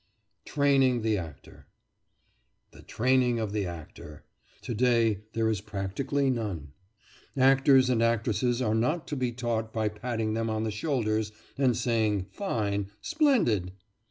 TRAINING THE ACTOR The training of the actor! To day there is practically none. Actors and actresses are not to be taught by patting them on the shoulders and saying, "Fine! Splendid!"